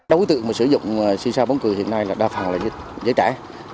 đối tượng sử dụng xì xa bóng cười hiện nay đa phần là giới trẻ